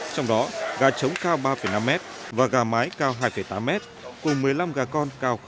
trong đó gà trống cao ba năm m và gà mái cao hai tám m cùng một mươi năm gà con cao sáu m